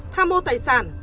tha mua tài sản